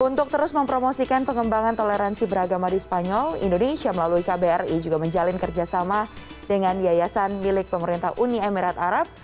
untuk terus mempromosikan pengembangan toleransi beragama di spanyol indonesia melalui kbri juga menjalin kerjasama dengan yayasan milik pemerintah uni emirat arab